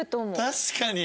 確かに。